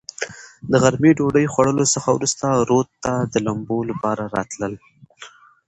د غرمې ډوډوۍ خوړلو څخه ورورسته رود ته د لمبو لپاره راتلل.